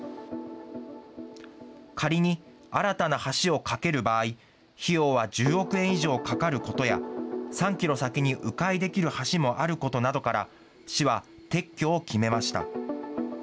仮に、新たな橋を架ける場合、費用は１０億円以上かかることや、３キロ先にう回できる橋もあることなどから、市は撤去を決めました。